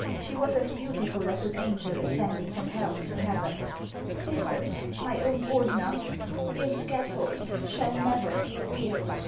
She was as beauti ful as an angel ascending from hell to heaven. "Listen, my own Ordener: your scaffold shall never be reared.